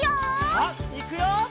さあいくよ！